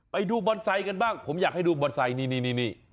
บอนไซค์กันบ้างผมอยากให้ดูบอนไซค์นี่